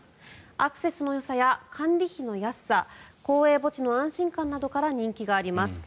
アクセスのよさや管理費の安さ公営墓地の安心感などから人気があります。